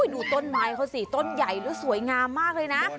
ดูต้นไม้เขาสิต้นใหญ่แล้วสวยงามมากเลยนะ